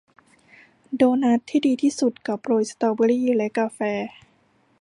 โดนัทที่ดีที่สุดกับโรยสตรอเบอร์รี่และกาแฟ